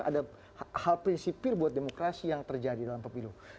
ada hal prinsipir buat demokrasi yang terjadi dalam pemilu